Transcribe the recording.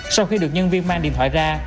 sau khi được nhân viên mang điện thoại ra